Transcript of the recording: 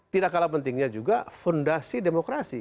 tidak kalah pentingnya juga fondasi demokrasi